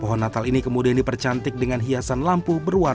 pohon natal ini kemudian dipercantik dengan hiasan lampu berwarna